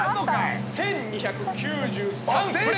１２９３点。